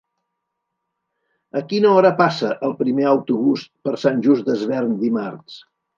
A quina hora passa el primer autobús per Sant Just Desvern dimarts?